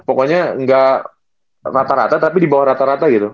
pokoknya gak rata rata tapi dibawah rata rata gitu